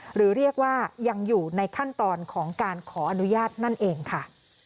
หรือเรียกว่ายังอยู่ในขั้นตอนของการขออนุญาตนั่นเองค่ะ